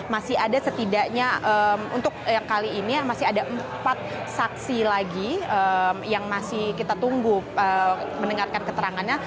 masih ada setidaknya untuk yang kali ini masih ada empat saksi lagi yang masih kita tunggu mendengarkan keterangannya